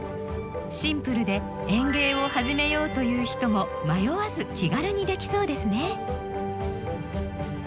シンプルで園芸を始めようという人も迷わず気軽にできそうですね。